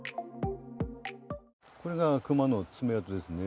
これが熊の爪痕ですね。